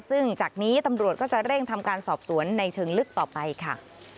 ซึ่งจากนี้ตำรวจก็จะเร่งทำการสอบสวนในเชิงลึกต่อไปค่ะ